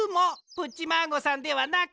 プッチマーゴさんではなく！